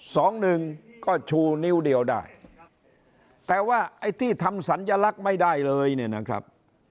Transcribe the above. สองหนึ่งก็ชูนิ้วเดียวได้แต่ว่าไอ้ที่ทำสัญลักษณ์ไม่ได้เลยเนี่ยนะครับ